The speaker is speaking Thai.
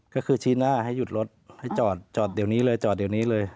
ก็คือชี้หน้าให้หยุดรถให้จอดจอดเดี๋ยวนี้เลยจอดเดี๋ยวนี้เลย